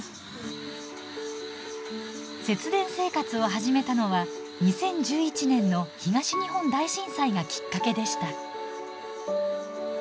節電生活を始めたのは２０１１年の東日本大震災がきっかけでした。